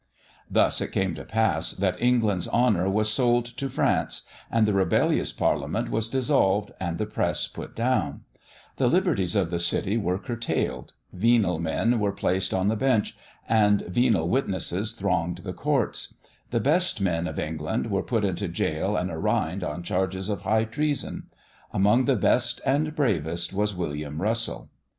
Thus it came to pass that England's honour was sold to France, and the "rebellious" Parliament was dissolved, and the press put down; the liberties of the city were curtailed; venal men were placed on the bench, and venal witnesses thronged the courts; the best men of England were put into jail and arraigned on charges of high treason. Among the best and bravest was William Russell.